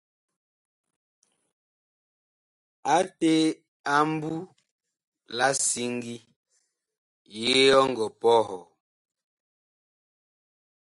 Ate a mbu la siŋgi, yee ɔ ngɔ pɔhɔɔ ?